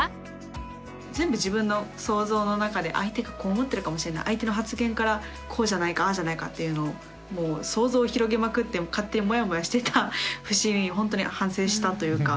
全部自分の想像の中で相手がこう思ってるかもしれない相手の発言からこうじゃないかああじゃないかっていうのをもう想像を広げまくって勝手にモヤモヤしてた節にほんとに反省したというか。